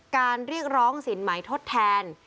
เรียกร้องสินใหม่ทดแทน